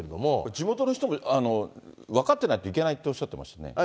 地元の人も分かってないと行けないっておっしゃってましたね。